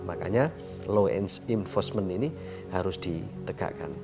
makanya law enforcement ini harus ditegakkan